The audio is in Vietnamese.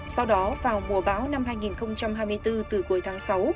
sau đó vào mùa bão năm hai nghìn hai mươi bốn từ cuối tháng sáu